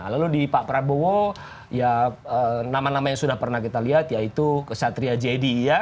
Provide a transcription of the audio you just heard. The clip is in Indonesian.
lalu di pak prabowo ya nama nama yang sudah pernah kita lihat yaitu kesatria jedi ya